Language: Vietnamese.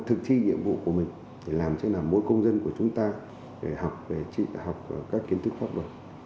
thực thi nhiệm vụ của mình để làm thế nào mỗi công dân của chúng ta để học các kiến thức pháp luật